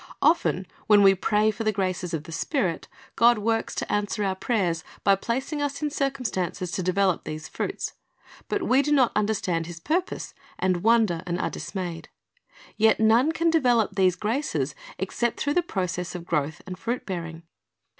Often when we pray for the graces of the Spirit, God works to answer our prayers by placing us in circumstances to develop these fruits; but we do not understand His purpose, and wonder, and are dismayed. Yet none can develop these graces except through the process of growth and fruit bearing.